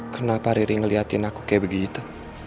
kenapa riri ngeliatin aku kayak begitu